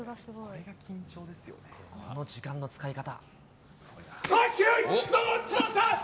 この時間の使い方。